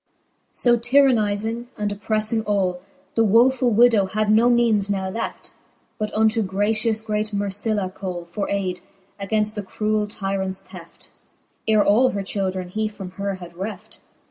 So tyrannizing, and opprefling all, The woefull widow had no meanes now left, But unto gratious great Mercilla call For ayde, againft that cruell tyrants theft, Ere all her children he from her had reft.